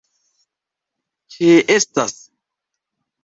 ĉeestas